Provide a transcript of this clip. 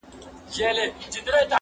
o ادم خان دي په خيال گوروان درځي!